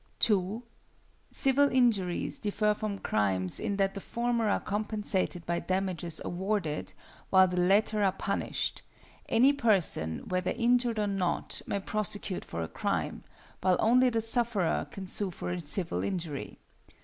2. Civil injuries differ from crimes in that the former are compensated by damages awarded, while the latter are punished; any person, whether injured or not, may prosecute for a crime, while only the sufferer can sue for a civil injury.